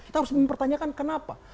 kita harus mempertanyakan kenapa